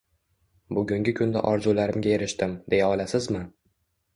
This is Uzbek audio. bugungi kunda orzularimga erishdim, deya olasizmi?